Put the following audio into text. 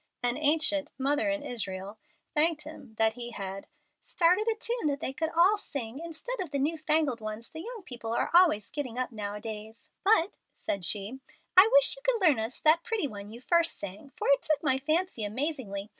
An ancient "mother in Israel" thanked him that he had "started a tune that they all could sing, instead of the new fangled ones the young people are always getting up nowadays. But," said she, "I wish you could learn us that pretty one you first sang, for it took my fancy amazingly.